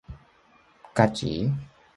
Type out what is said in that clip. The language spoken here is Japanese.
ガチ？